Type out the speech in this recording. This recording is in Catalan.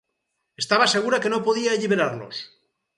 Estava segura que no podia alliberar-los.